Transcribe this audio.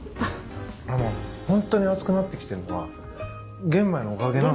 あのホントに熱くなってきてるのは玄米のおかげなんですか？